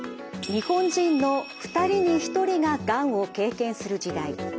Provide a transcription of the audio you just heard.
日本人の２人に１人ががんを経験する時代。